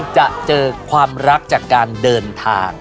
จะเจอความรักจากการเดินทาง